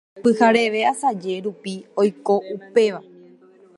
Pyhareve asaje rupi oiko upéva.